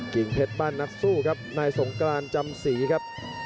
เพชรบ้านนักสู้ครับนายสงกรานจำศรีครับ